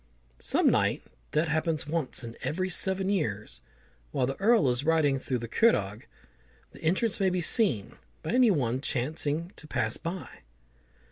Some night that happens once in every seven years, while the Earl is riding round the Curragh, the entrance may be seen by any one chancing to pass by.